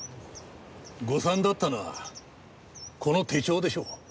誤算だったのはこの手帳でしょう。